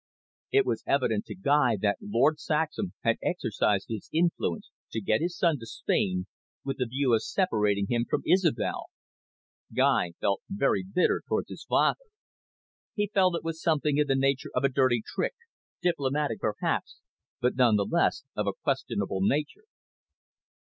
It was evident to Guy that Lord Saxham had exercised his influence to get his son to Spain, with the view of separating him from Isobel; Guy felt very bitter towards his father. He felt it was something in the nature of a dirty trick, diplomatic perhaps, but none the less of a questionable nature.